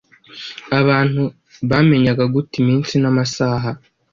abantu bamenyaga gute iminsi n’amasaha”?